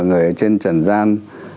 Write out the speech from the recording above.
người ở trên trần gian